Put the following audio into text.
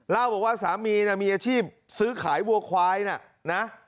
เล่าบอกว่าสามีมีอาชีพซื้อขายวัวควายนะ